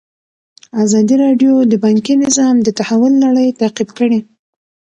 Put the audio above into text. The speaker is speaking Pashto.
ازادي راډیو د بانکي نظام د تحول لړۍ تعقیب کړې.